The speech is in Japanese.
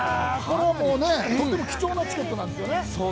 ◆とても貴重なチケットなんですよね。